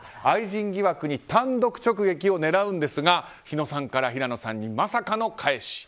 愛人疑惑に単独直撃を狙うんですが火野さんから平野さんにまさかの返し。